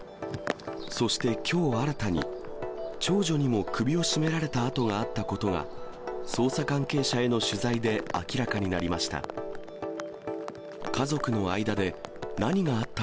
そして、きょう新たに長女にも首を絞められた跡があったことが、捜査関係者への取材で明らかになりました。